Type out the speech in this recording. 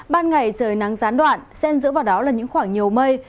ban ngày trời nắng gián đoạn sen giữa vào đó là những khoảng nhiều mây